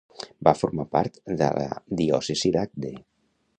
Va formar part de la diòcesi d'Agde.